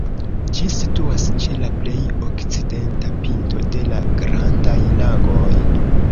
Ĝi situas ĉe la plej okcidenta pinto de la Grandaj Lagoj.